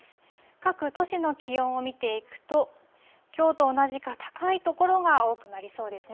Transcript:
各都市の気温を見ていくと、きょうと同じか、高い所が多くなりそうですね。